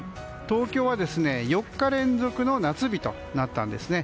東京は４日連続の夏日となったんですね。